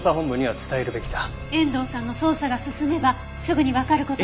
遠藤さんの捜査が進めばすぐにわかる事よ。